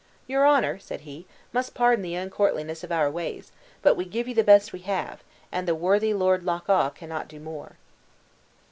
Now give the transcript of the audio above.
"Your honor," said he, "must pardon the uncourtliness of our ways; but we give you the best we have: and the worthy Lord Loch awe cannot do more."